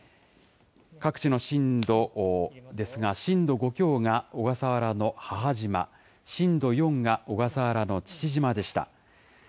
各地の震度ですが、震度５強が小笠原の母島、震度４が小笠原の父島でした。